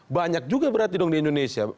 banyak juga berarti dong di indonesia